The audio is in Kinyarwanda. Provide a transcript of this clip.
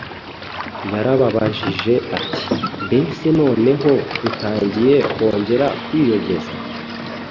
Yarababajije ati: “Mbese noneho dutangiye kongera kwiyogeza?